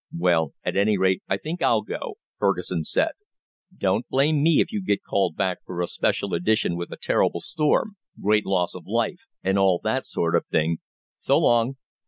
"Well, at any rate, I think I'll go," Fergusson said. "Don't blame me if you get called back for a special edition with a terrible storm, great loss of life, and all that sort of thing. So long."